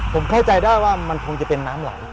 ผมเข้าใจได้ว่ามันคงจะเป็นน้ำไหล